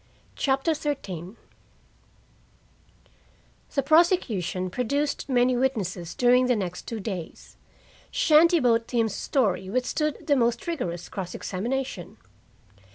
CHAPTER XIII The prosecution produced many witnesses during the next two days: Shanty boat Tim's story withstood the most vigorous cross examination.